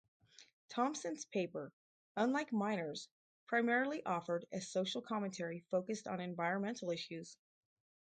Thompson's paper, unlike Miner's, primarily offered a social commentary focused on environmental issues.